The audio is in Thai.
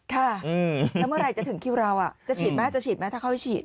ค่ะแล้วเมื่อไหร่จะถึงคิวเราจะฉีดไหมถ้าเข้าไปฉีด